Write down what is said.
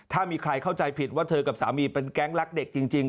ถ้ามีใครเข้าใจผิดว่าเธอกับสามีเป็นแก๊งรักเด็กจริง